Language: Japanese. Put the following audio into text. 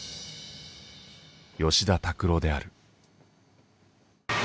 吉田拓郎である。